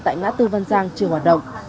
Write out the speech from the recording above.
tại ngã tư văn giang chưa hoạt động